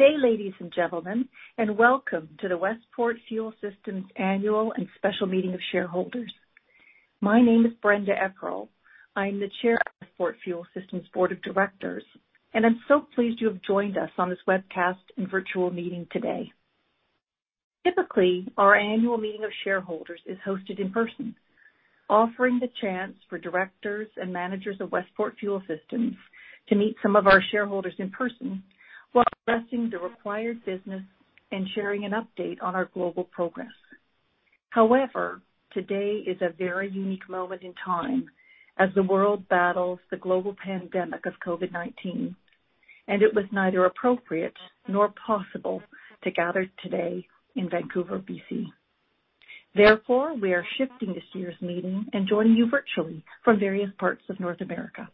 Good day, ladies and gentlemen, welcome to the Westport Fuel Systems Annual and Special Meeting of Shareholders. My name is Brenda Eprile. I am the Chair of Westport Fuel Systems Board of Directors, and I'm so pleased you have joined us on this webcast and virtual meeting today. Typically, our annual meeting of shareholders is hosted in person, offering the chance for directors and managers of Westport Fuel Systems to meet some of our shareholders in person while addressing the required business and sharing an update on our global progress. However, today is a very unique moment in time as the world battles the global pandemic of COVID-19, and it was neither appropriate nor possible to gather today in Vancouver, B.C. Therefore, we are shifting this year's meeting and joining you virtually from various parts of North America.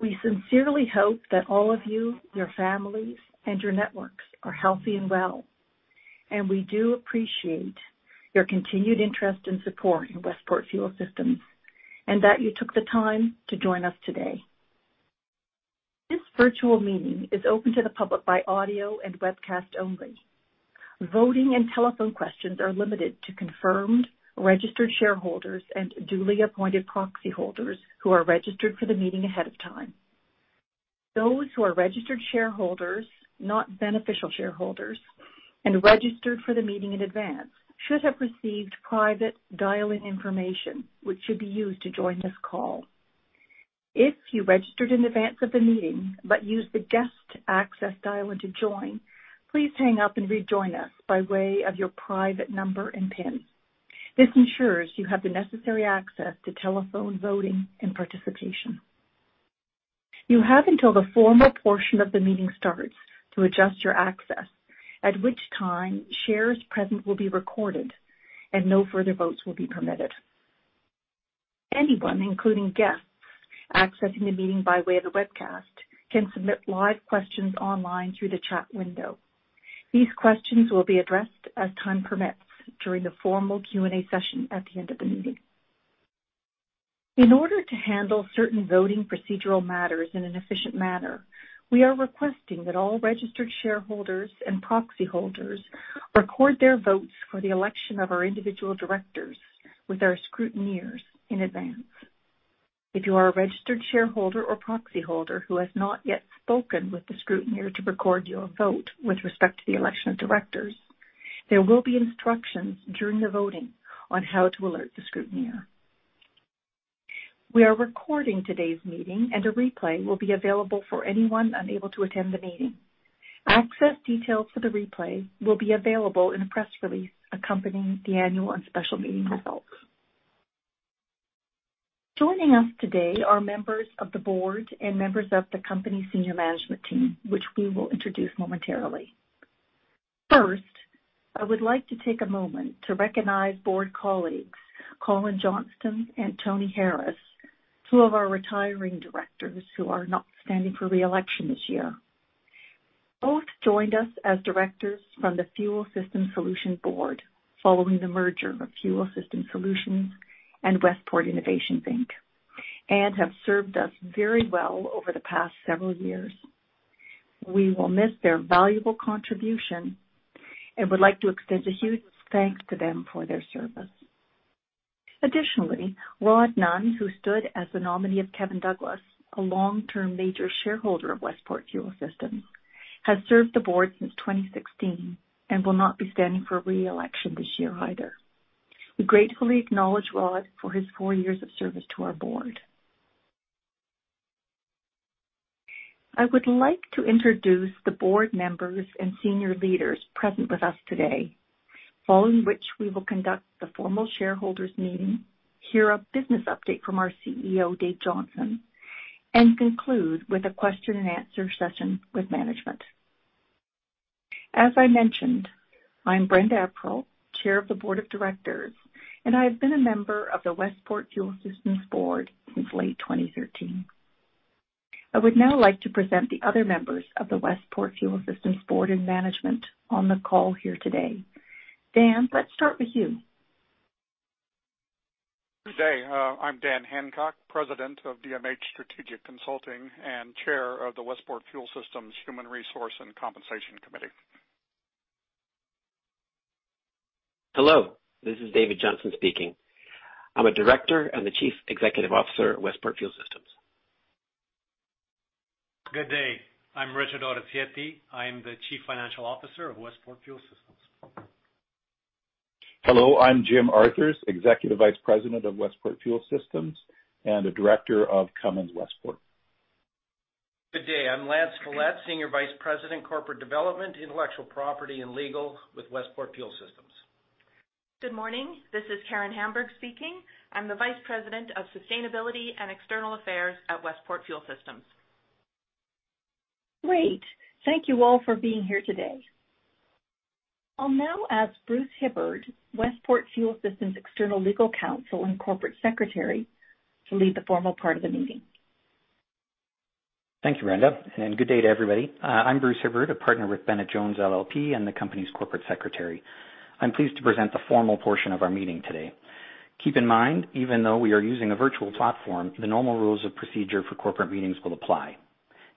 We sincerely hope that all of you, your families, and your networks are healthy and well, and we do appreciate your continued interest and support in Westport Fuel Systems and that you took the time to join us today. This virtual meeting is open to the public by audio and webcast only. Voting and telephone questions are limited to confirmed registered shareholders and duly appointed proxy holders who are registered for the meeting ahead of time. Those who are registered shareholders, not beneficial shareholders, and registered for the meeting in advance should have received private dialing information, which should be used to join this call. If you registered in advance of the meeting but use the guest access dial-in to join, please hang up and rejoin us by way of your private number and pin. This ensures you have the necessary access to telephone voting and participation. You have until the formal portion of the meeting starts to adjust your access, at which time shares present will be recorded and no further votes will be permitted. Anyone, including guests, accessing the meeting by way of the webcast can submit live questions online through the chat window. These questions will be addressed as time permits during the formal Q&A session at the end of the meeting. In order to handle certain voting procedural matters in an efficient manner, we are requesting that all registered shareholders and proxy holders record their votes for the election of our individual directors with our scrutineers in advance. If you are a registered shareholder or proxy holder who has not yet spoken with the scrutineer to record your vote with respect to the election of directors, there will be instructions during the voting on how to alert the scrutineer. We are recording today's meeting, and a replay will be available for anyone unable to attend the meeting. Access details for the replay will be available in the press release accompanying the annual and special meeting results. Joining us today are members of the board and members of the company senior management team, which we will introduce momentarily. First, I would like to take a moment to recognize board colleagues Colin Johnston and Tony Harris, two of our retiring directors who are not standing for re-election this year. Both joined us as directors from the Fuel Systems Solutions Board following the merger of Fuel Systems Solutions and Westport Innovations Inc. and have served us very well over the past several years. We will miss their valuable contribution and would like to extend a huge thanks to them for their service. Rod Nunn, who stood as the nominee of Kevin Douglas, a long-term major shareholder of Westport Fuel Systems, has served the board since 2016 and will not be standing for re-election this year either. We gratefully acknowledge Rod for his four years of service to our Board. I would like to introduce the board members and senior leaders present with us today, following which we will conduct the formal shareholders meeting, hear a business update from our CEO, Dave Johnson, and conclude with a question and answer session with management. As I mentioned, I'm Brenda Eprile, Chair of the Board of Directors, and I've been a member of the Westport Fuel Systems Board since late 2013. I would now like to present the other members of the Westport Fuel Systems Board and Management on the call here today. Dan, let's start with you. Good day. I'm Dan Hancock, President of DMH Strategic Consulting and Chair of the Westport Fuel Systems Human Resource and Compensation Committee. Hello, this is David Johnson speaking. I'm a Director and the Chief Executive Officer at Westport Fuel Systems. Good day. I'm Richard Orazietti. I am the Chief Financial Officer of Westport Fuel Systems. Hello, I'm Jim Arthurs, Executive Vice President of Westport Fuel Systems and a director of Cummins Westport. Good day. I'm Lance Follett, Senior Vice President, Corporate Development, Intellectual Property, and Legal with Westport Fuel Systems. Good morning. This is Karen Hamberg speaking. I'm the Vice President of Sustainability and External Affairs at Westport Fuel Systems. Great. Thank you all for being here today. I'll now ask Bruce Hibbard, Westport Fuel Systems' External Legal Counsel and Corporate Secretary, to lead the formal part of the meeting. Thanks, Brenda, and good day, everybody. I'm Bruce Hibbard, a partner with Bennett Jones LLP and the company's corporate secretary. I'm pleased to present the formal portion of our meeting today. Keep in mind, even though we are using a virtual platform, the normal rules of procedure for corporate meetings will apply.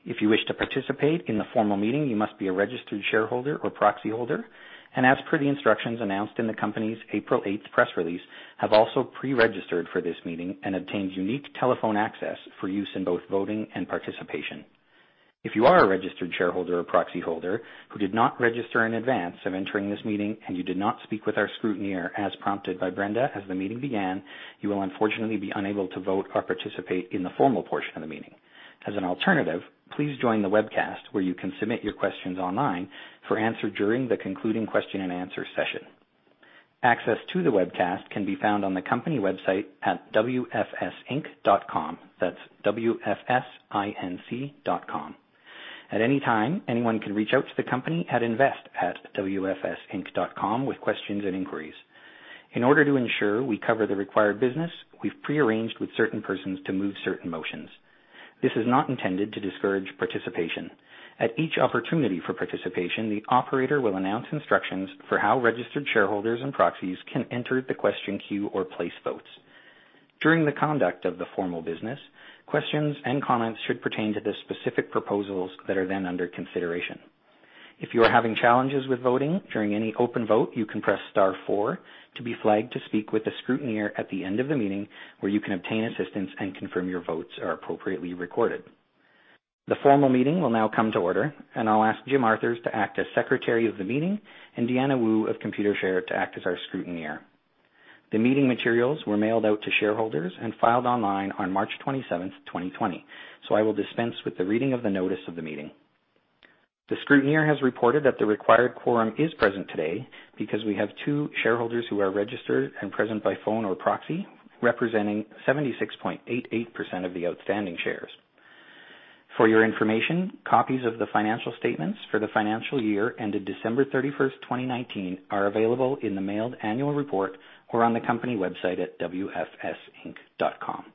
If you wish to participate in the formal meeting, you must be a registered shareholder or proxy holder. As per the instructions announced in the company's April 8th press release, have also pre-registered for this meeting and obtained unique telephone access for use in both voting and participation. If you are a registered shareholder or proxy holder who did not register in advance of entering this meeting, and you did not speak with our scrutineer as prompted by Brenda as the meeting began, you will unfortunately be unable to vote or participate in the formal portion of the meeting. As an alternative, please join the webcast where you can submit your questions online for answer during the concluding question and answer session. Access to the webcast can be found on the company website at wfsinc.com. That's W-F-S-I-N-C.com. At any time, anyone can reach out to the company at invest@wfsinc.com with questions and inquiries. In order to ensure we cover the required business, we've pre-arranged with certain persons to move certain motions. This is not intended to discourage participation. At each opportunity for participation, the operator will announce instructions for how registered shareholders and proxies can enter the question queue or place votes. During the conduct of the formal business, questions and comments should pertain to the specific proposals that are then under consideration. If you are having challenges with voting during any open vote, you can press star four to be flagged to speak with a scrutineer at the end of the meeting, where you can obtain assistance and confirm your votes are appropriately recorded. The formal meeting will now come to order. I'll ask Jim Arthurs to act as Secretary of the meeting and Deanna Woo of Computershare to act as our Scrutineer. The meeting materials were mailed out to shareholders and filed online on March 27th, 2020. I will dispense with the reading of the notice of the meeting. The scrutineer has reported that the required quorum is present today because we have two shareholders who are registered and present by phone or proxy, representing 76.88% of the outstanding shares. For your information, copies of the financial statements for the financial year ended December 31st, 2019, are available in the mailed annual report or on the company website at wfsinc.com.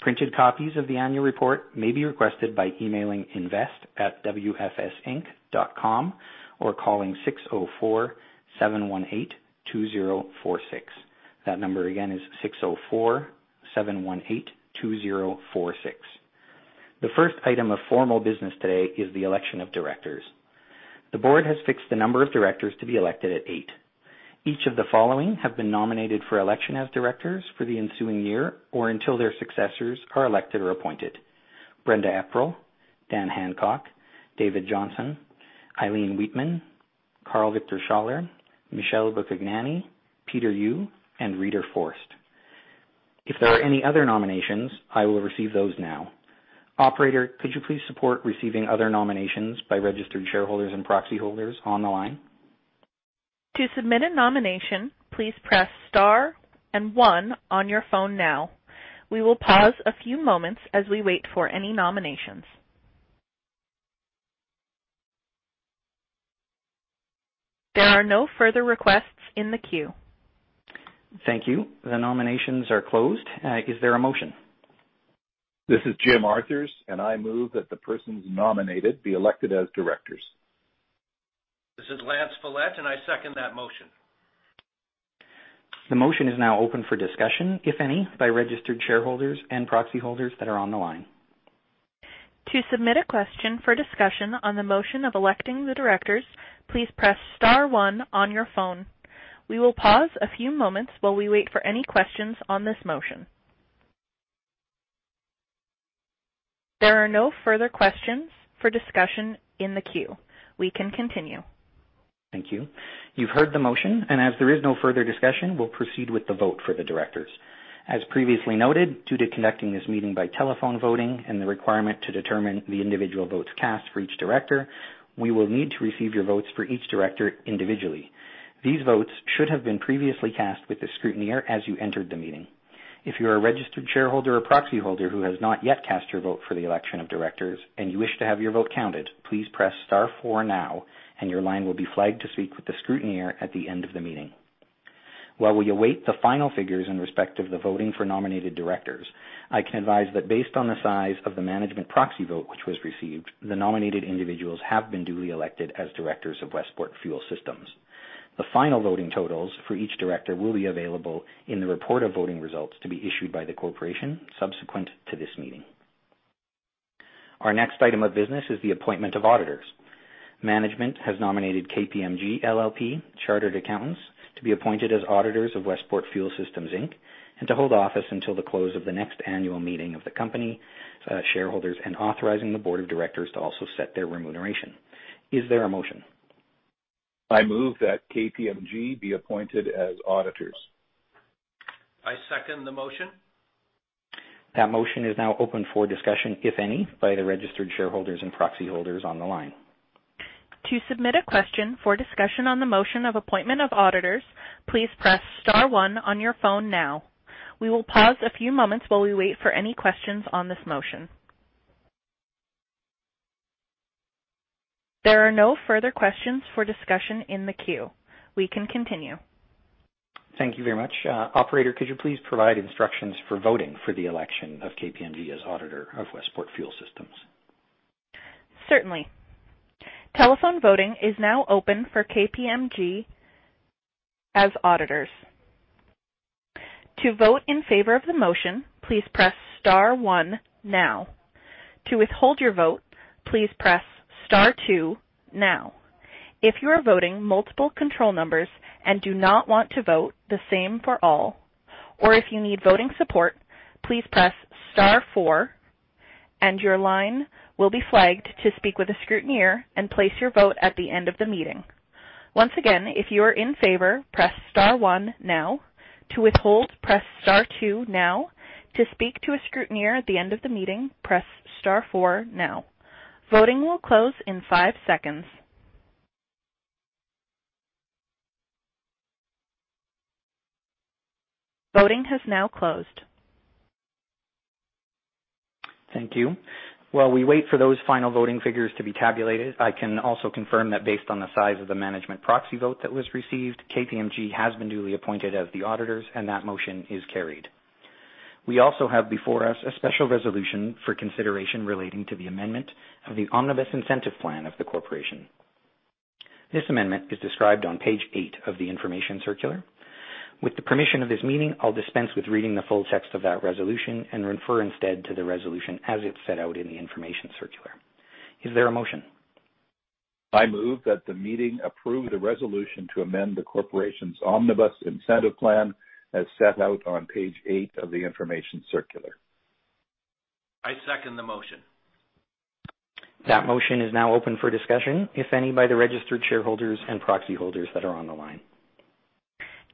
Printed copies of the annual report may be requested by emailing invest@wfsinc.com or calling 604-718-2046. That number again is 604-718-2046. The first item of formal business today is the election of directors. The board has fixed the number of directors to be elected at eight. Each of the following have been nominated for election as directors for the ensuing year or until their successors are elected or appointed. Brenda Eprile, Dan Hancock, David Johnson, Eileen Wheatman, Karl-Viktor Schaller, Michele Buchignani, Peter Yu, and Rita Forst. If there are any other nominations, I will receive those now. Operator, could you please support receiving other nominations by registered shareholders and proxy holders online? To submit a nomination, please press star and one on your phone now. We will pause a few moments as we wait for any nominations. There are no further requests in the queue. Thank you. The nominations are closed. Is there a motion? This is Jim Arthurs, and I move that the persons nominated be elected as directors. This is Lance Follett, and I second that motion. The motion is now open for discussion, if any, by registered shareholders and proxy holders that are on the line. To submit a question for discussion on the motion of electing the directors, please press star one on your phone. We will pause a few moments while we wait for any questions on this motion. There are no further questions for discussion in the queue. We can continue. Thank you. You've heard the motion, and as there is no further discussion, we'll proceed with the vote for the directors. As previously noted, due to conducting this meeting by telephone voting and the requirement to determine the individual votes cast for each director, we will need to receive your votes for each director individually. These votes should have been previously cast with the scrutineer as you entered the meeting. If you are a registered shareholder or proxy holder who has not yet cast your vote for the election of directors and you wish to have your vote counted, please press star four now and your line will be flagged to speak with the scrutineer at the end of the meeting. While we await the final figures in respect of the voting for nominated directors, I can advise that based on the size of the management proxy vote which was received, the nominated individuals have been duly elected as directors of Westport Fuel Systems. The final voting totals for each director will be available in the report of voting results to be issued by the corporation subsequent to this meeting. Our next item of business is the appointment of auditors. Management has nominated KPMG LLP, Chartered Accountants to be appointed as auditors of Westport Fuel Systems Inc. and to hold office until the close of the next annual meeting of the company, shareholders, and authorizing the board of directors to also set their remuneration. Is there a motion? I move that KPMG be appointed as auditors. I second the motion. That motion is now open for discussion, if any, by the registered shareholders and proxy holders on the line. To submit a question for discussion on the motion of appointment of auditors, please press star one on your phone now. We will pause a few moments while we wait for any questions on this motion. There are no further questions for discussion in the queue. We can continue. Thank you very much. Operator, could you please provide instructions for voting for the election of KPMG as auditor of Westport Fuel Systems? Certainly. Telephone voting is now open for KPMG as auditors. To vote in favor of the motion, please press star one now. To withhold your vote, please press star two now. If you are voting multiple control numbers and do not want to vote the same for all, or if you need voting support, please press star four and your line will be flagged to speak with a scrutineer and place your vote at the end of the meeting. Once again, if you are in favor, press star one now. To withhold, press star two now. To speak to a scrutineer at the end of the meeting, press star four now. Voting will close in five seconds. Voting has now closed. Thank you. While we wait for those final voting figures to be tabulated, I can also confirm that based on the size of the management proxy vote that was received, KPMG has been newly appointed as the auditors and that motion is carried. We also have before us a special resolution for consideration relating to the amendment of the Omnibus Incentive Plan of the corporation. This amendment is described on page eight of the Information Circular. With the permission of this meeting, I'll dispense with reading the full text of that resolution and refer instead to the resolution as it's set out in the Information Circular. Is there a motion? I move that the meeting approve the resolution to amend the corporation's Omnibus Incentive Plan as set out on page eight of the Information Circular. I second the motion. That motion is now open for discussion, if any, by the registered shareholders and proxy holders that are on the line.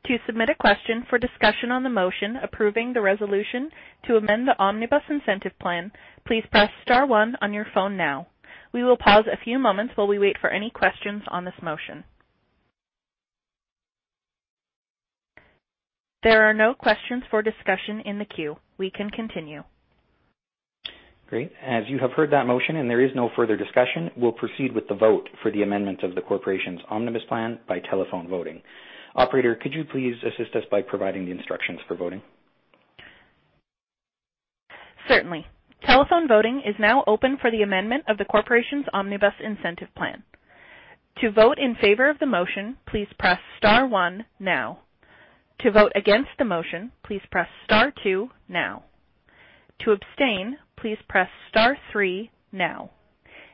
To submit a question for discussion on the motion approving the resolution to amend the Omnibus Incentive Plan, please press star one on your phone now. We will pause a few moments while we wait for any questions on this motion. There are no questions for discussion in the queue. We can continue. Great. As you have heard that motion and there is no further discussion, we'll proceed with the vote for the amendment of the corporation's Omnibus Plan by telephone voting. Operator, could you please assist us by providing the instructions for voting? Certainly. Telephone voting is now open for the amendment of the corporation's Omnibus Incentive Plan. To vote in favor of the motion, please press star one now. To vote against the motion, please press star two now. To abstain, please press star three now.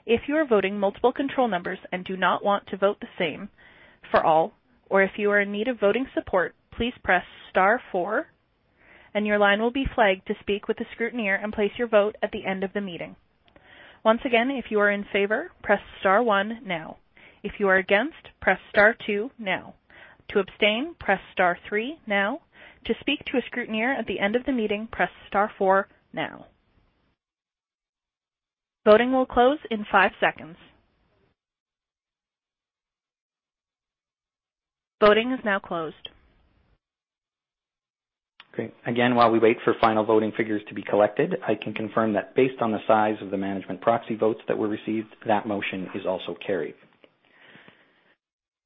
If you are voting multiple control numbers and do not want to vote the same for all, or if you are in need of voting support, please press star four and your line will be flagged to speak with a scrutineer and place your vote at the end of the meeting. Once again, if you are in favor, press star one now. If you are against, press star two now. To abstain, press star three now. To speak to a scrutineer at the end of the meeting, press star four now. Voting will close in five seconds. Voting is now closed. Great. Again, while we wait for final voting figures to be collected, I can confirm that based on the size of the management proxy votes that were received, that motion is also carried.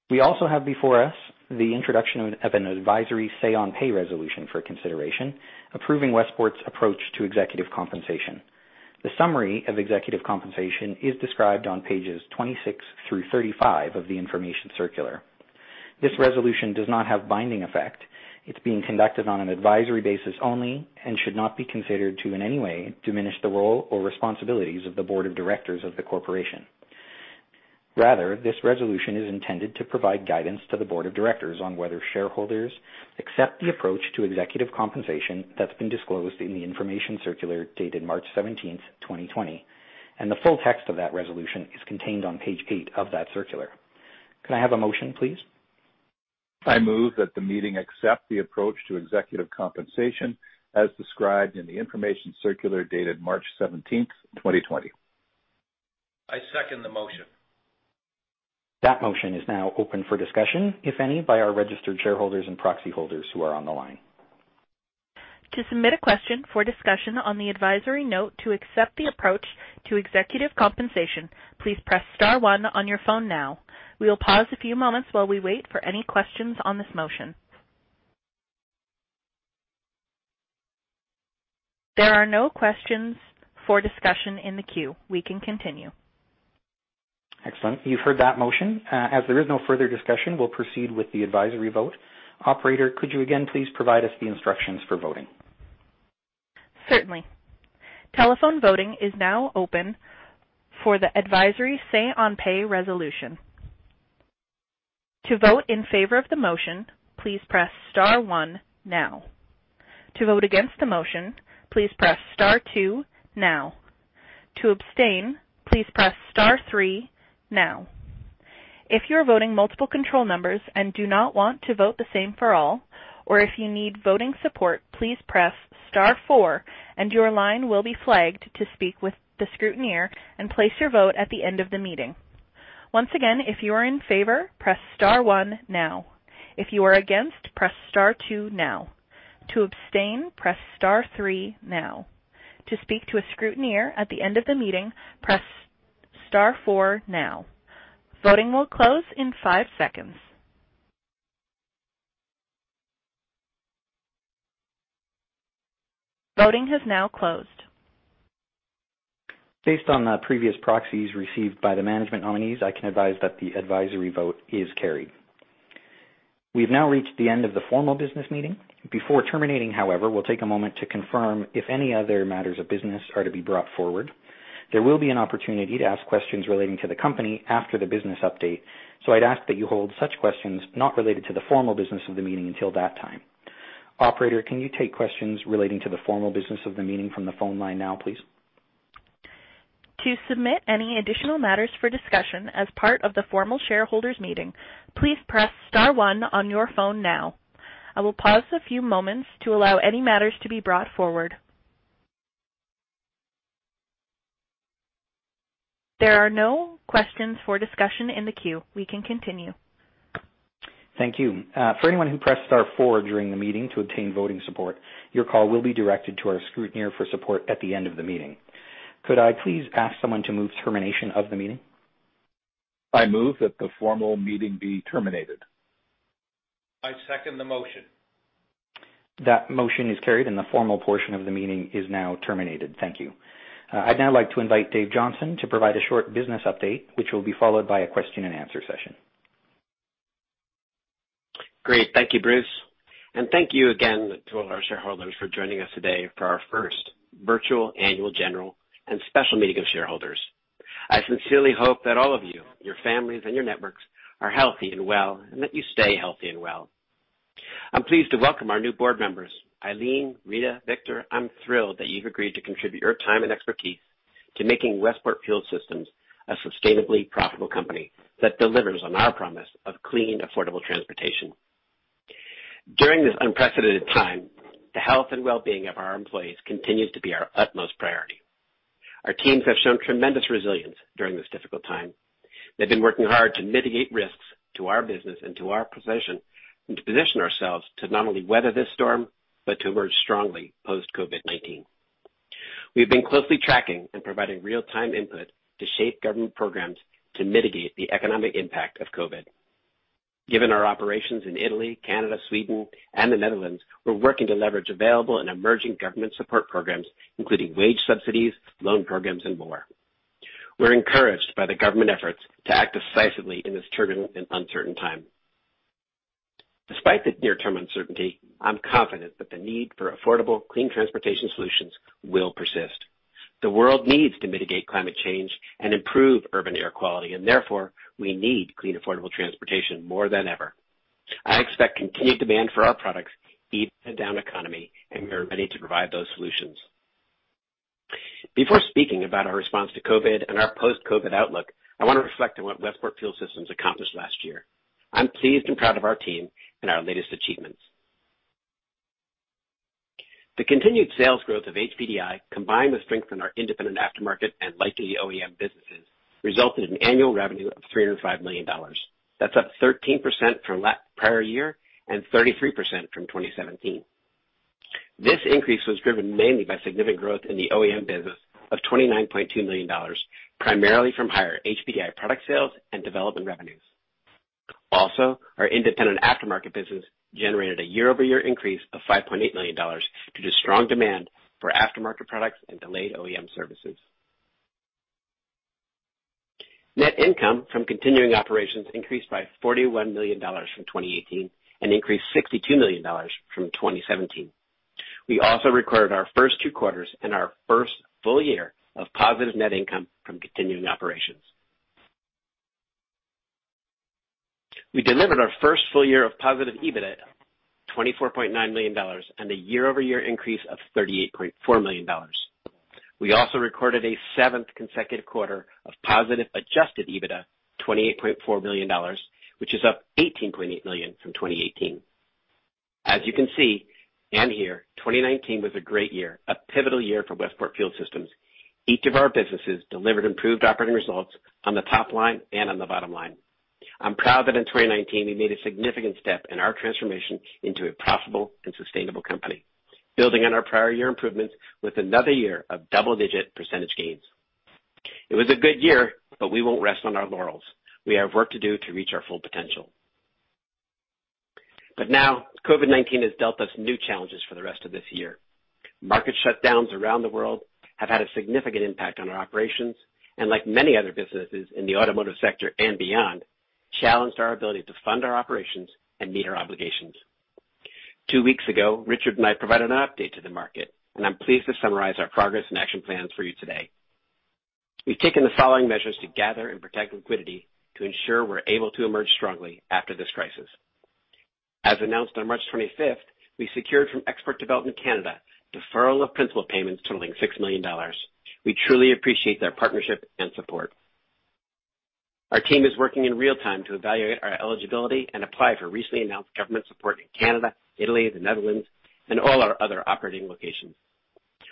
We also have before us the introduction of an advisory say on pay resolution for consideration, approving Westport's approach to executive compensation. The summary of executive compensation is described on pages 26 through 35 of the Information Circular. This resolution does not have binding effect. It is being conducted on an advisory basis only and should not be considered to in any way diminish the role or responsibilities of the Board of Directors of the corporation. This resolution is intended to provide guidance to the Board of Directors on whether shareholders accept the approach to executive compensation that's been disclosed in the Information Circular dated March 17th, 2020, and the full text of that resolution is contained on page eight of that circular. Can I have a motion, please? I move that the meeting accept the approach to executive compensation as described in the Information Circular dated March 17th, 2020. I second the motion. That motion is now open for discussion, if any, by our registered shareholders and proxy holders who are on the line. To submit a question for discussion on the advisory note to accept the approach to executive compensation, please press star one on your phone now. We will pause a few moments while we wait for any questions on this motion. There are no questions for discussion in the queue. We can continue. Excellent. You've heard that motion. There is no further discussion, we'll proceed with the advisory vote. Operator, could you again please provide us the instructions for voting? Certainly. Telephone voting is now open for the advisory say on pay resolution. To vote in favor of the motion, please press star one now. To vote against the motion, please press star two now. To abstain, please press star three now. If you are voting multiple control numbers and do not want to vote the same for all, or if you need voting support, please press star four and your line will be flagged to speak with the scrutineer and place your vote at the end of the meeting. Once again, if you are in favor, press star one now. If you are against, press star two now. To abstain, press star three now. To speak to a scrutineer at the end of the meeting, press star four now. Voting will close in five seconds. Voting has now closed. Based on the previous proxies received by the management nominees, I can advise that the advisory vote is carried. We've now reached the end of the formal business meeting. Before terminating, however, we'll take a moment to confirm if any other matters of business are to be brought forward. There will be an opportunity to ask questions relating to the company after the business update. I'd ask that you hold such questions not related to the formal business of the meeting until that time. Operator, can you take questions relating to the formal business of the meeting from the phone line now, please? To submit any additional matters for discussion as part of the formal shareholders meeting, please press star one on your phone now. I will pause a few moments to allow any matters to be brought forward. There are no questions for discussion in the queue. We can continue. Thank you. For anyone who pressed star four during a meeting to obtain voting support, your call will be directed to our scrutineer for support at the end of the meeting. Could I please ask someone to move termination of the meeting? I move that the formal meeting be terminated. I second the motion. That motion is carried, and the formal portion of the meeting is now terminated. Thank you. I'd now like to invite Dave Johnson to provide a short business update, which will be followed by a question and answer session. Great. Thank you, Bruce. Thank you again to all our shareholders for joining us today for our first virtual annual general and special meeting of shareholders. I sincerely hope that all of you, your families, and your networks are healthy and well, and that you stay healthy and well. I'm pleased to welcome our new board members. Eileen, Rita, Viktor, I'm thrilled that you've agreed to contribute your time and expertise to making Westport Fuel Systems a sustainably profitable company that delivers on our promise of clean, affordable transportation. During this unprecedented time, the health and well-being of our employees continues to be our utmost priority. Our teams have shown tremendous resilience during this difficult time. They've been working hard to mitigate risks to our business and to our position and to position ourselves to not only weather this storm, but to emerge strongly post-COVID-19. We've been closely tracking and providing real-time input to shape government programs to mitigate the economic impact of COVID. Given our operations in Italy, Canada, Sweden, and the Netherlands, we're working to leverage available and emerging government support programs, including wage subsidies, loan programs, and more. We're encouraged by the government efforts to act decisively in this turbulent and uncertain time. Despite the near-term uncertainty, I'm confident that the need for affordable, clean transportation solutions will persist. The world needs to mitigate climate change and improve urban air quality, and therefore we need clean, affordable transportation more than ever. I expect continued demand for our products even in a down economy, and we are ready to provide those solutions. Before speaking about our response to COVID and our post-COVID outlook, I want to reflect on what Westport Fuel Systems accomplished last year. I'm pleased and proud of our team and our latest achievements. The continued sales growth of HPDI, combined with strength in our independent aftermarket and light duty OEM businesses, resulted in annual revenue of $305 million. That's up 13% from prior year and 33% from 2017. This increase was driven mainly by significant growth in the OEM business of $29.2 million, primarily from higher HPDI product sales and development revenues. Also, our independent aftermarket business generated a year-over-year increase of $5.8 million due to strong demand for aftermarket products and delayed OEM services. Net income from continuing operations increased by $41 million from 2018 and increased $62 million from 2017. We also recorded our first two quarters and our first full year of positive net income from continuing operations. We delivered our first full year of positive EBITDA, $24.9 million, and a year-over-year increase of $38.4 million. We also recorded a seventh consecutive quarter of positive adjusted EBITDA, $28.4 million, which is up $18.8 million from 2018. As you can see and hear, 2019 was a great year, a pivotal year for Westport Fuel Systems. Each of our businesses delivered improved operating results on the top line and on the bottom line. I'm proud that in 2019, we made a significant step in our transformation into a profitable and sustainable company, building on our prior year improvements with another year of double-digit percentage gains. It was a good year but we won't rest on our laurels. We have work to do to reach our full potential. Now, COVID-19 has dealt us new challenges for the rest of this year. Market shutdowns around the world have had a significant impact on our operations, and like many other businesses in the automotive sector and beyond, challenged our ability to fund our operations and meet our obligations. Two weeks ago, Richard and I provided an update to the market, and I'm pleased to summarize our progress and action plans for you today. We've taken the following measures to gather and protect liquidity to ensure we're able to emerge strongly after this crisis. As announced on March 25th, we secured from Export Development Canada deferral of principal payments totaling $6 million. We truly appreciate their partnership and support. Our team is working in real time to evaluate our eligibility and apply for recently announced government support in Canada, Italy, the Netherlands, and all our other operating locations.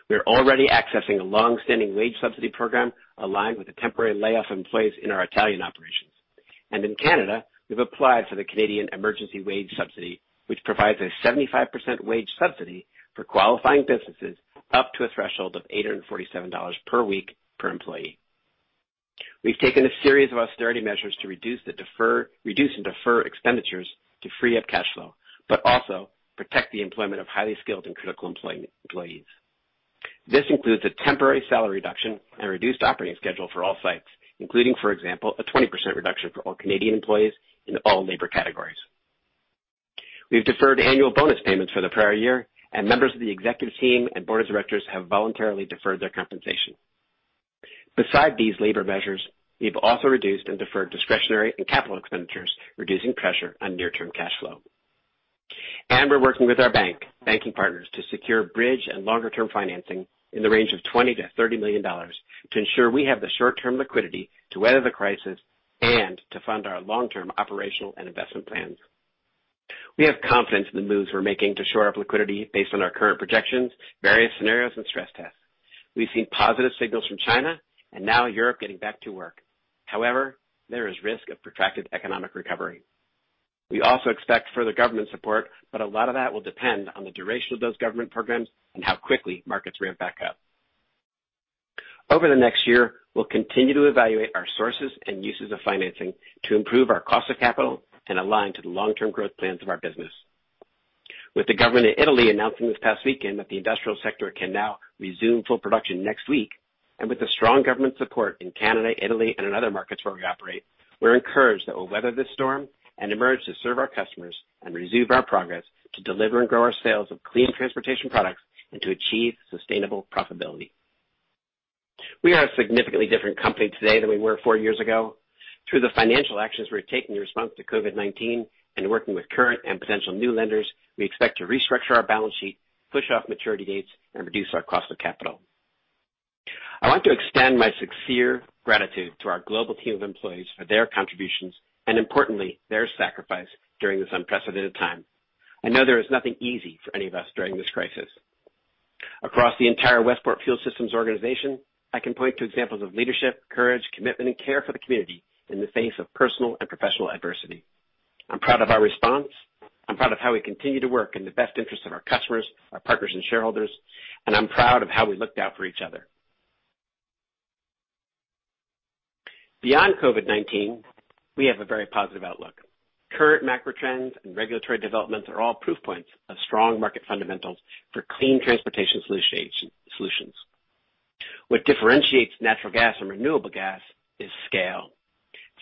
We are already accessing a long-standing wage subsidy program aligned with the temporary layoff of employees in our Italian operations. In Canada, we've applied for the Canadian Emergency Wage Subsidy, which provides a 75% wage subsidy for qualifying businesses up to a threshold of $847 per week per employee. We've taken a series of austerity measures to reduce and defer expenditures to free up cash flow, but also protect the employment of highly skilled and critical employees. This includes a temporary salary reduction and reduced operating schedule for all sites, including, for example, a 20% reduction for all Canadian employees in all labor categories. We've deferred annual bonus payments for the prior year, and members of the executive team and Board of Directors have voluntarily deferred their compensation. Beside these labor measures, we've also reduced and deferred discretionary and capital expenditures, reducing pressure on near-term cash flow. We're working with our banking partners to secure bridge and longer-term financing in the range of $20 million-$30 million to ensure we have the short-term liquidity to weather the crisis and to fund our long-term operational and investment plans. We have confidence in the moves we're making to shore up liquidity based on our current projections, various scenarios, and stress tests. We've seen positive signals from China and now Europe getting back to work. There is risk of protracted economic recovery. We also expect further government support, but a lot of that will depend on the duration of those government programs and how quickly markets ramp back up. Over the next year, we'll continue to evaluate our sources and uses of financing to improve our cost of capital and align to the long-term growth plans of our business. With the government of Italy announcing this past weekend that the industrial sector can now resume full production next week, and with the strong government support in Canada, Italy, and in other markets where we operate, we're encouraged that we'll weather this storm and emerge to serve our customers and resume our progress to deliver and grow our sales of clean transportation products and to achieve sustainable profitability. We are a significantly different company today than we were four years ago. Through the financial actions we've taken in response to COVID-19 and working with current and potential new lenders, we expect to restructure our balance sheet, push out maturity dates, and reduce our cost of capital. I want to extend my sincere gratitude to our global team of employees for their contributions and importantly, their sacrifice during this unprecedented time. I know there is nothing easy for any of us during this crisis. Across the entire Westport Fuel Systems organization, I can point to examples of leadership, courage, commitment, and care for the community in the face of personal and professional adversity. I'm proud of our response. I'm proud of how we continue to work in the best interest of our customers, our partners, and shareholders, and I'm proud of how we looked out for each other. Beyond COVID-19, we have a very positive outlook. Current macro trends and regulatory developments are all proof points of strong market fundamentals for clean transportation solutions. What differentiates natural gas and renewable gas is scale.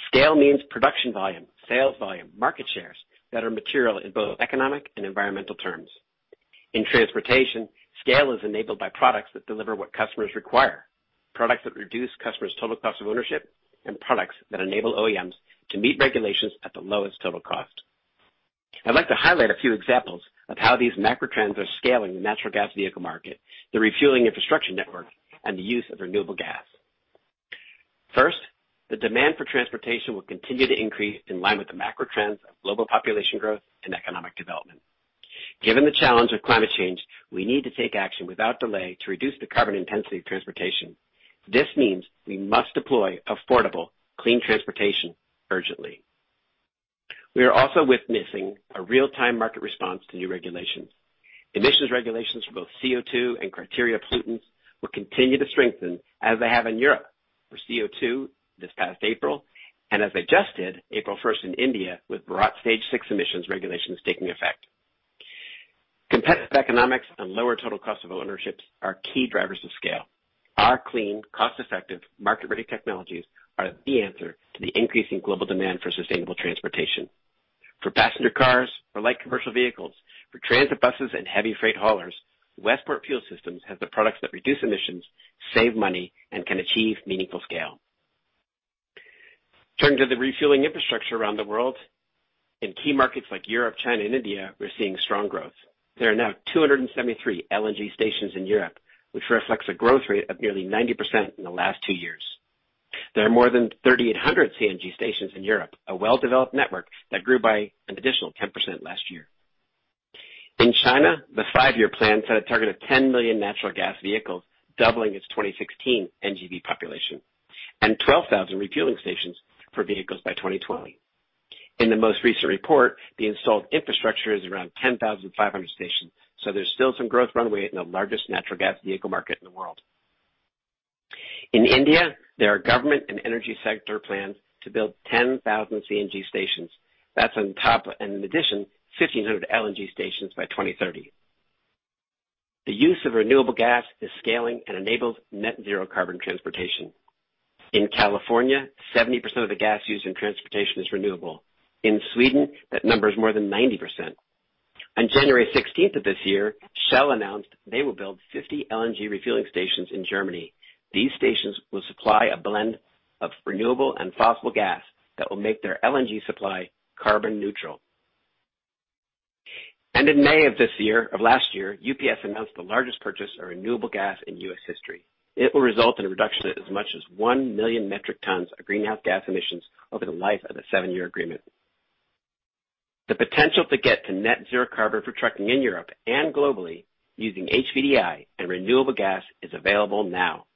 Scale means production volume, sales volume, market shares that are material in both economic and environmental terms. In transportation, scale is enabled by products that deliver what customers require, products that reduce customers' total cost of ownership, and products that enable OEMs to meet regulations at the lowest total cost. I'd like to highlight a few examples of how these macro trends are scaling the natural gas vehicle market, the refueling infrastructure network, and the use of renewable gas. First, the demand for transportation will continue to increase in line with the macro trends of global population growth and economic development. Given the challenge of climate change, we need to take action without delay to reduce the carbon intensity of transportation. This means we must deploy affordable, clean transportation urgently. We are also witnessing a real-time market response to new regulations. Emissions regulations for both CO2 and criteria pollutants will continue to strengthen as they have in Europe for CO2 this past April, and as adjusted April 1st in India, with Bharat Stage VI emissions regulations taking effect. Competitive economics and lower total cost of ownership are key drivers of scale. Our clean, cost-effective, market-ready technologies are the answer to the increasing global demand for sustainable transportation. For passenger cars or light commercial vehicles, for transit buses and heavy freight haulers, Westport Fuel Systems has the products that reduce emissions, save money, and can achieve meaningful scale. Turning to the refueling infrastructure around the world, in key markets like Europe, China, and India, we're seeing strong growth. There are now 273 LNG stations in Europe, which reflects a growth rate of nearly 90% in the last two years. There are more than 3,800 CNG stations in Europe, a well-developed network that grew by an additional 10% last year. In China, the five-year plan set a target of 10 million natural gas vehicles, doubling its 2016 NGV population, and 12,000 refueling stations for vehicles by 2020. In the most recent report, the installed infrastructure is around 10,500 stations, so there's still some growth runway in the largest natural gas vehicle market in the world. In India, there are government and energy sector plans to build 10,000 CNG stations. That's on top of, in addition, 1,500 LNG stations by 2030. The use of renewable gas is scaling and enables net zero carbon transportation. In California, 70% of the gas used in transportation is renewable. In Sweden, that number is more than 90%. On January 16th of this year, Shell announced they will build 50 LNG refueling stations in Germany. These stations will supply a blend of renewable and fossil gas that will make their LNG supply carbon neutral. End of May of last year, UPS announced the largest purchase of renewable gas in U.S. history. It will result in a reduction of as much as 1 million metric tons of greenhouse gas emissions over the life of the seven-year agreement. The potential to get to net zero carbon for trucking in Europe and globally using HPDI and renewable gas is available now.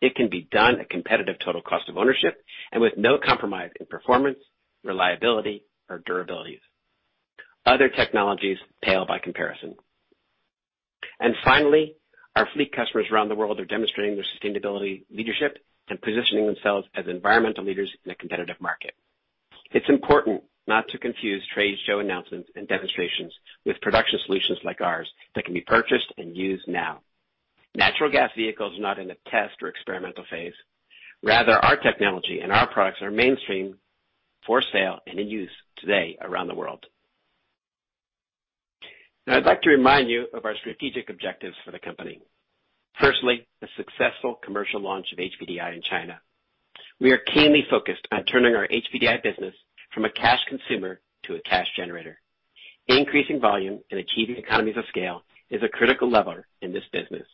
It can be done at competitive total cost of ownership and with no compromise in performance, reliability, or durability. Other technologies pale by comparison. Finally, our fleet customers around the world are demonstrating their sustainability leadership and positioning themselves as environmental leaders in a competitive market. It's important not to confuse trade show announcements and demonstrations with production solutions like ours that can be purchased and used now. Natural gas vehicles are not in a test or experimental phase. Rather, our technology and our products are mainstream, for sale, and in use today around the world. I'd like to remind you of our strategic objectives for the company. Firstly, the successful commercial launch of HPDI in China. We are keenly focused on turning our HPDI business from a cash consumer to a cash generator. Increasing volume and achieving economies of scale is a critical lever in this business.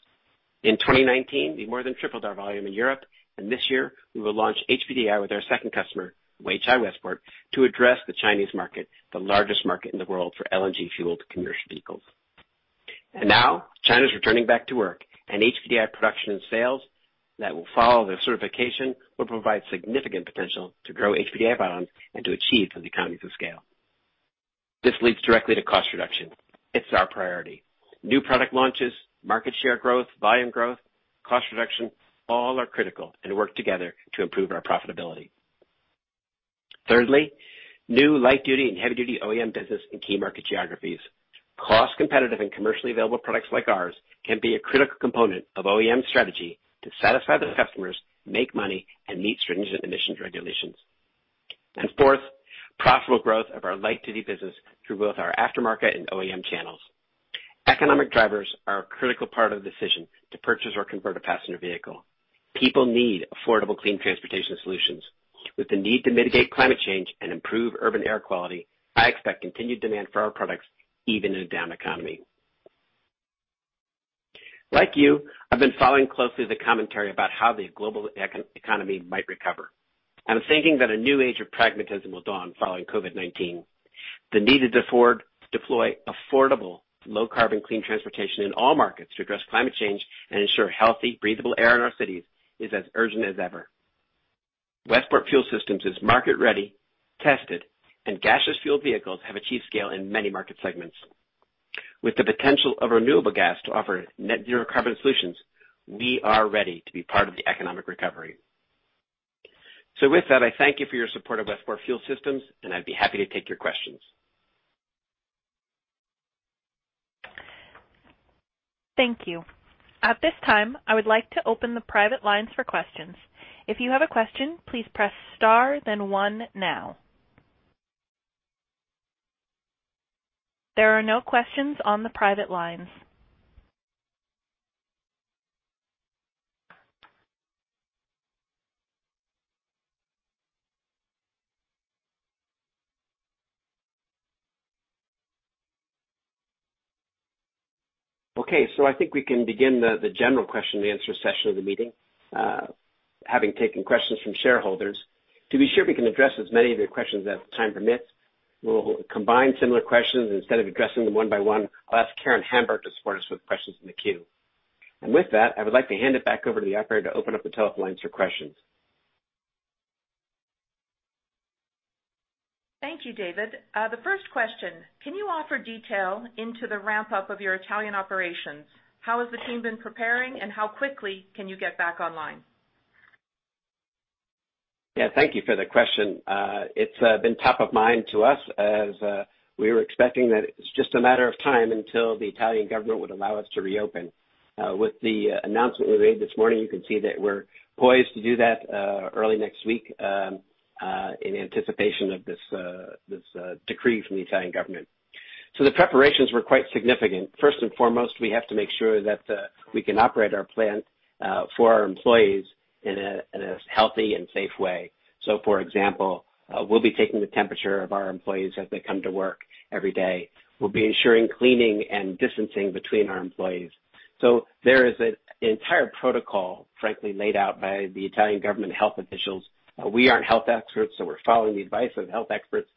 In 2019, we more than tripled our volume in Europe, and this year we will launch HPDI with our second customer, Weichai Westport, to address the Chinese market, the largest market in the world for LNG-fueled commercial vehicles. Now, China is returning back to work, HPDI production and sales that will follow their certification will provide significant potential to grow HPDI volumes and to achieve some economies of scale. This leads directly to cost reduction. It's our priority. New product launches, market share growth, volume growth, cost reduction, all are critical and work together to improve our profitability. Thirdly, new light-duty and heavy-duty OEM business in key market geographies. Cost-competitive and commercially available products like ours can be a critical component of OEM strategy to satisfy their customers, make money, and meet stringent emissions regulations. Fourth, profitable growth of our light-duty business through both our aftermarket and OEM channels. Economic drivers are a critical part of the decision to purchase or convert a passenger vehicle. People need affordable clean transportation solutions. With the need to mitigate climate change and improve urban air quality, I expect continued demand for our products even in a down economy. Like you, I've been following closely the commentary about how the global economy might recover. I'm thinking that a new age of pragmatism will dawn following COVID-19. The need to deploy affordable, low-carbon clean transportation in all markets to address climate change and ensure healthy, breathable air in our cities is as urgent as ever. Westport Fuel Systems is market-ready, tested, and gaseous-fueled vehicles have achieved scale in many market segments. With the potential of renewable gas to offer net zero carbon solutions, we are ready to be part of the economic recovery. With that, I thank you for your support of Westport Fuel Systems, and I'd be happy to take your questions. Thank you. At this time, I would like to open the private lines for questions. If you have a question, please press star then one now. There are no questions on the private lines. Okay. I think we can begin the general question and answer session of the meeting having taken questions from shareholders. To be sure we can address as many of your questions as time permits, we'll combine similar questions instead of addressing them one by one. I'll ask Karen Hamberg to support us with questions in the queue. With that, I would like to hand it back over to the operator to open up the telephone lines for questions. Thank you, David. The first question, can you offer detail into the ramp-up of your Italian operations? How has the team been preparing, and how quickly can you get back online? Yeah, thank you for the question. It's been top of mind to us as we were expecting that it's just a matter of time until the Italian government would allow us to reopen. With the announcement we made this morning, you can see that we're poised to do that early next week in anticipation of this decree from the Italian government. The preparations were quite significant. First and foremost, we have to make sure that we can operate our plant for our employees in a healthy and safe way. For example, we'll be taking the temperature of our employees as they come to work every day. We'll be ensuring cleaning and distancing between our employees. There is an entire protocol, frankly, laid out by the Italian government health officials. We aren't health experts, we're following the advice of health experts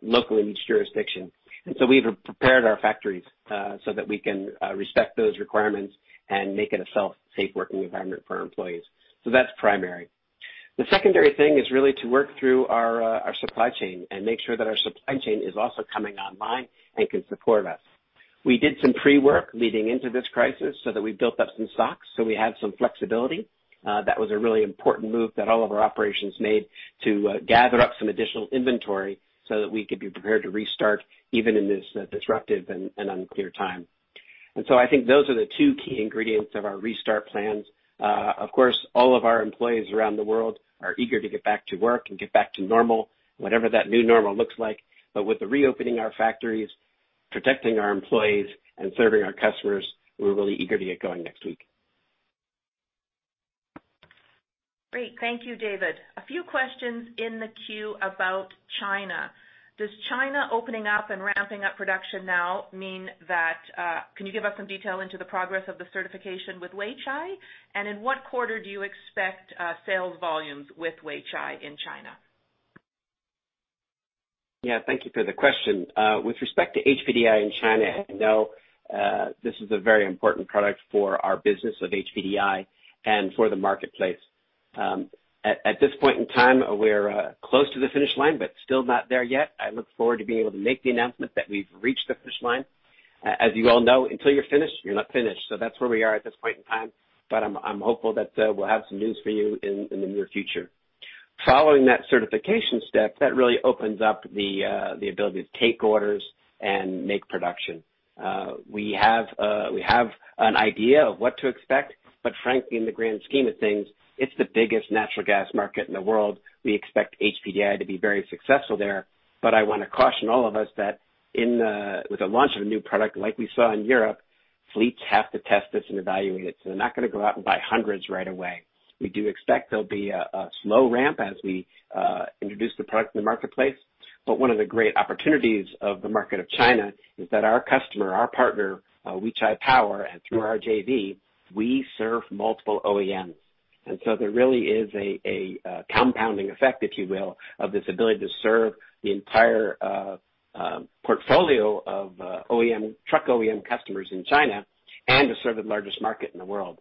locally in each jurisdiction. We have prepared our factories so that we can respect those requirements and make it a safe working environment for our employees. That's primary. The secondary thing is really to work through our supply chain and make sure that our supply chain is also coming online and can support us. We did some pre-work leading into this crisis so that we built up some stock, so we had some flexibility. That was a really important move that all of our operations made to gather up some additional inventory so that we could be prepared to restart even in this disruptive and unclear time. I think those are the two key ingredients of our restart plans. Of course, all of our employees around the world are eager to get back to work and get back to normal, whatever that new normal looks like. With the reopening of our factories, protecting our employees, and serving our customers, we're really eager to get going next week. Great. Thank you, David. A few questions in the queue about China. Does China opening up and ramping up production now mean that, can you give us some detail into the progress of the certification with Weichai? In what quarter do you expect sales volumes with Weichai in China? Yeah, thank you for the question. With respect to HPDI in China, I know this is a very important product for our business of HPDI and for the marketplace. At this point in time, we're close to the finish line, but still not there yet. I look forward to being able to make the announcement that we've reached the finish line. As you all know, until you're finished, you're not finished. That's where we are at this point in time, but I'm hopeful that we'll have some news for you in the near future. Following that certification step, that really opens up the ability to take orders and make production. We have an idea of what to expect, but frankly, in the grand scheme of things, it's the biggest natural gas market in the world. We expect HPDI to be very successful there, but I want to caution all of us that with the launch of a new product like we saw in Europe, fleets have to test this and evaluate it. They're not going to go out and buy hundreds right away. We do expect there'll be a slow ramp as we introduce the product to the marketplace. One of the great opportunities of the market of China is that our customer, our partner, Weichai Power, through our JV, we serve multiple OEMs. There really is a compounding effect, if you will, of this ability to serve the entire portfolio of truck OEM customers in China and to serve the largest market in the world.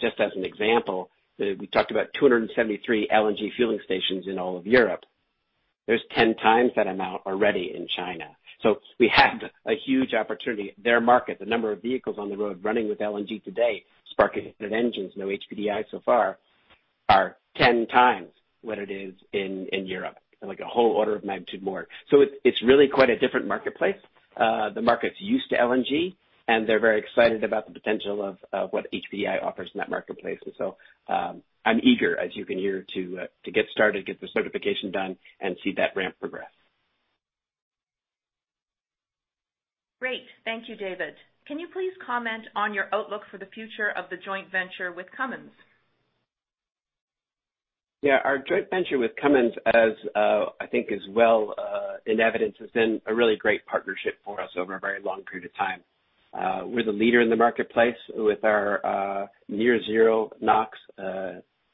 Just as an example, we talked about 273 LNG fueling stations in all of Europe. There's 10 times that amount already in China. We have a huge opportunity. Their market, the number of vehicles on the road running with LNG to date, sparking engines, no HPDI so far, are 10 times what it is in Europe, like a whole order of magnitude more. It's really quite a different marketplace. The market's used to LNG, and they're very excited about the potential of what HPDI offers in that marketplace. I'm eager, as you can hear, to get started, get the certification done, and see that ramp progress. Great. Thank you, David. Can you please comment on your outlook for the future of the joint venture with Cummins? Our joint venture with Cummins, I think is well in evidence, has been a really great partnership for us over a very long period of time. We're the leader in the marketplace with our near-zero NOx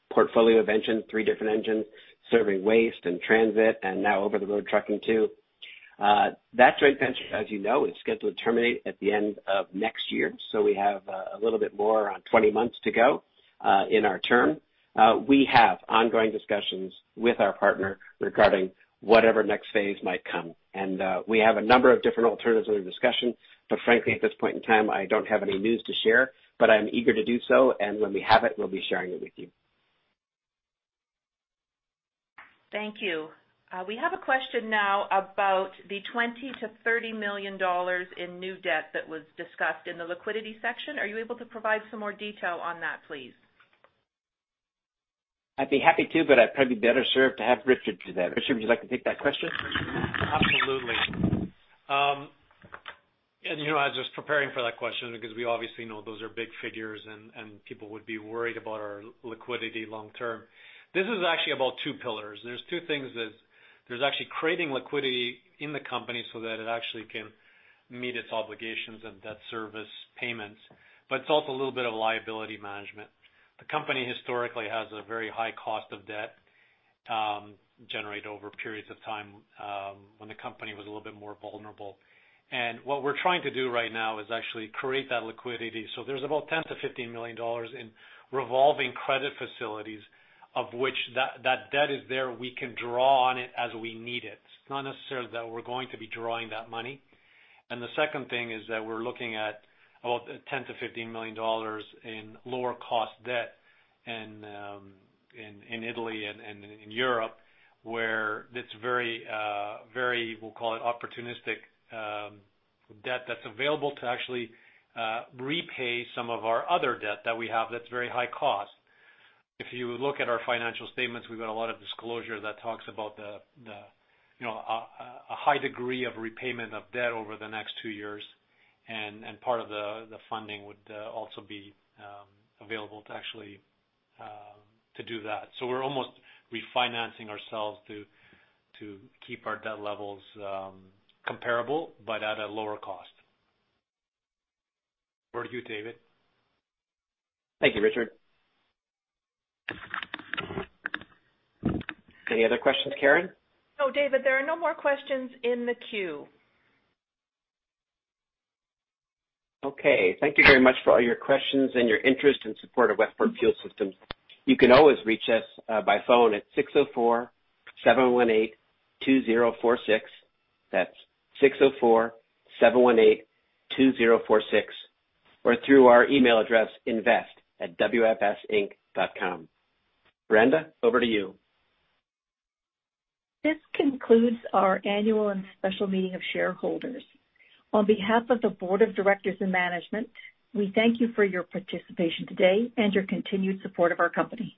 portfolio of engine, three different engines, serving waste and transit, and now over-the-road trucking too. That joint venture, as you know, is scheduled to terminate at the end of next year. We have a little bit more, around 20 months to go in our term. We have ongoing discussions with our partner regarding whatever next phase might come, and we have a number of different alternatives we're in discussion. Frankly, at this point in time, I don't have any news to share, but I'm eager to do so, and when we have it, we'll be sharing it with you. Thank you. We have a question now about the $20 million-$30 million in new debt that was discussed in the liquidity section. Are you able to provide some more detail on that, please? I'd be happy to, but I'd probably be better served to have Richard do that. Richard, would you like to take that question? Absolutely. I was just preparing for that question because we obviously know those are big figures and people would be worried about our liquidity long term. This is actually about two pillars, and there's two things. There's actually creating liquidity in the company so that it actually can meet its obligations and debt service payments. It's also a little bit of liability management. The company historically has a very high cost of debt generated over periods of time when the company was a little bit more vulnerable. What we're trying to do right now is actually create that liquidity. There's about $10 million-$15 million in revolving credit facilities of which that debt is there. We can draw on it as we need it. It's not necessarily that we're going to be drawing that money. The second thing is that we're looking at about $10 million-$15 million in lower cost debt in Italy and in Europe, where it's very, we'll call it opportunistic debt that's available to actually repay some of our other debt that we have that's very high cost. If you look at our financial statements, we've got a lot of disclosure that talks about a high degree of repayment of debt over the next two years, and part of the funding would also be available to actually do that. We're almost refinancing ourselves to keep our debt levels comparable, but at a lower cost. Over to you, David. Thank you, Richard. Any other questions, Karen? No, David, there are no more questions in the queue. Okay. Thank you very much for all your questions and your interest and support of Westport Fuel Systems. You can always reach us by phone at 604-718-2046. That's 604-718-2046, or through our email address, invest@wfsinc.com. Brenda, over to you. This concludes our annual and special meeting of shareholders. On behalf of the board of directors and management, we thank you for your participation today and your continued support of our company.